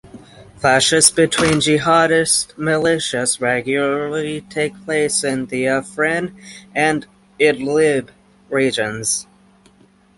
Clashes between jihadist militias regularly take place in the Afrin and Idlib regions.